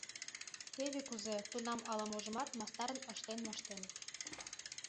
Теве кузе тунам ала-можымат мастарын ыштен моштеныт.